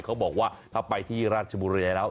เขาบอกว่าถ้าไปที่ราชบุรีแล้ว